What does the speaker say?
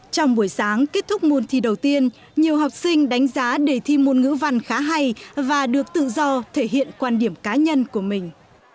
trong buổi sáng kết thúc môn thi đầu tiên nhiều học sinh đánh giá đề thi môn ngữ văn khá hay và được tự do thể hiện quan điểm cá nhân của mình